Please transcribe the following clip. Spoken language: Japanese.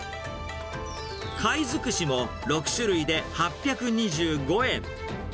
貝づくしも６種類で８２５円。